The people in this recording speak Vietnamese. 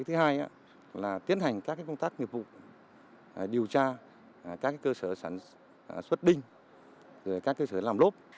thứ hai là tiến hành các công tác nghiệp vụ điều tra các cơ sở sản xuất đinh các cơ sở làm lốp